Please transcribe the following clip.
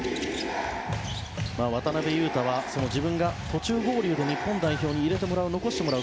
渡邊雄太は自分が途中合流で日本代表に入れてもらう残してもらう。